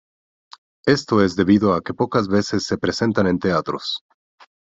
Esto es debido a que pocas veces se presentan en Teatros.